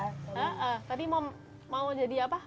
tapi mau jadi apa